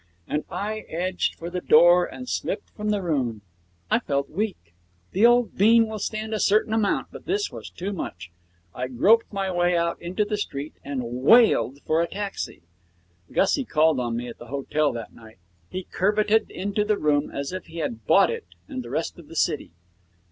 And I edged for the door and slipped from the room. I felt weak. The old bean will stand a certain amount, but this was too much. I groped my way out into the street and wailed for a taxi. Gussie called on me at the hotel that night. He curveted into the room as if he had bought it and the rest of the city.